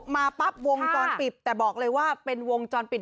มันกลายแป๊บเหลือเกิน